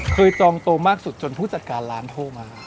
จองโตมากสุดจนผู้จัดการร้านโทรมา